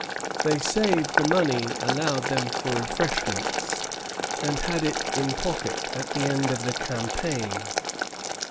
They saved the money allowed them for refreshments, and had it in pocket at the end of the campaign.